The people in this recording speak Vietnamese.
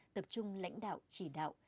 tập trung lãnh đạo chỉ đạo